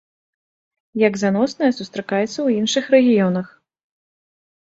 Як заносная, сустракаецца ў іншых рэгіёнах.